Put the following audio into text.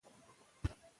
ډوډۍ اوږده موده موړ ساتي.